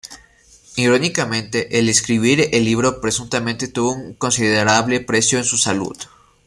Irónicamente, el escribir el libro presuntamente tuvo un considerable precio en su salud.